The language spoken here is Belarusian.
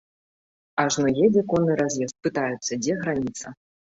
Ажно едзе конны раз'езд, пытаюцца, дзе граніца.